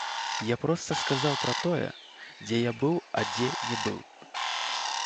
Я проста сказаў пра тое, дзе я быў а дзе не быў.